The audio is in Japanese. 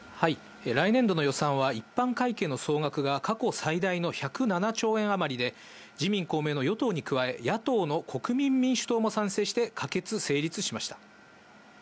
来年度の予算は、一般会計の総額が過去最大の１０７兆円余りで、自民、公明の与党に加え、野党の国民民主党も賛成して可決・成立しました。